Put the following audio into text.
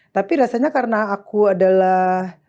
tapi rasanya karena aku adalah